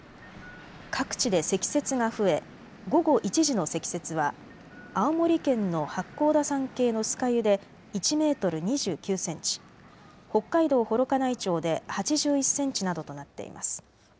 各地で積雪が増え午後１時の積雪は青森県の八甲田山系の酸ヶ湯で１メートル２９センチ、北海道幌加内町で８１センチなどとなっています。